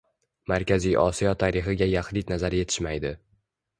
Markaziy Osiyo tarixiga yaxlit nazar yetishmaydi.